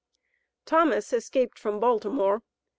Thomas escaped from Baltimore.